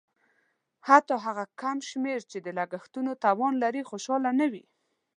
حتی هغه کم شمېر چې د لګښتونو توان لري خوشاله نه وي.